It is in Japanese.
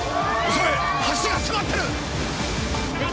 急げ橋が迫ってる！